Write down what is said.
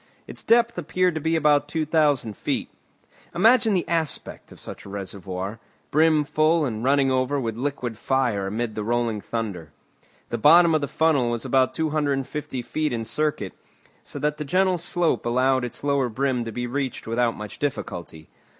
Its depth appeared to be about two thousand feet. Imagine the aspect of such a reservoir, brim full and running over with liquid fire amid the rolling thunder. The bottom of the funnel was about 250 feet in circuit, so that the gentle slope allowed its lower brim to be reached without much difficulty.